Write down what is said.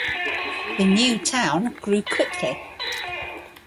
The new town grew quickly.